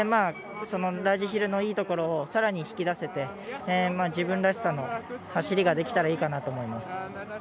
ラージヒルのいいところをさらに引き出せて自分らしさのある走りができたらいいなと思います。